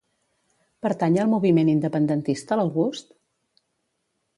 Pertany al moviment independentista l'August?